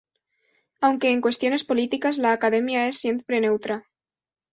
Aunque en cuestiones políticas, la Academia es siempre neutra.